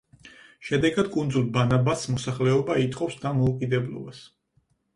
შედეგად კუნძულ ბანაბას მოსახლეობა ითხოვს დამოუკიდებლობას.